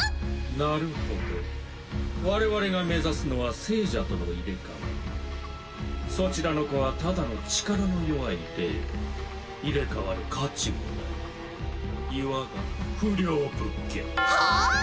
なるほど我々が目指すのは生者との入れ替わりそちらの子はただの力の弱い霊入れ替わる価値もないいわば不良物件はあ？